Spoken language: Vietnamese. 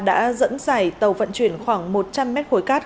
đã dẫn dải tàu vận chuyển khoảng một trăm linh mét khối cát